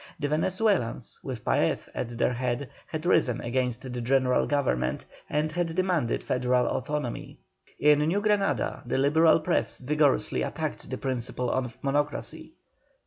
The Venezuelans, with Paez at their head, had risen against the general Government, and had demanded federal autonomy. In New Granada the Liberal press vigorously attacked the principle of Monocracy.